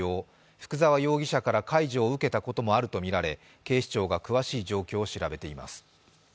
福沢容疑者から介助を受けたこともあるとみられ警視庁が詳しい状況を調べています。